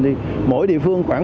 thì mỗi địa phương khoảng